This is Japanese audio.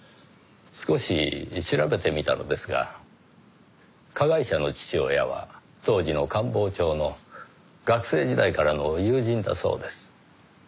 少し調べてみたのですが加害者の父親は当時の官房長の学生時代からの友人だそうです。